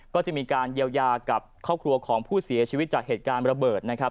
ก็จะมีการเยียวยากับครอบครัวของผู้เสียชีวิตจากเหตุการณ์ระเบิดนะครับ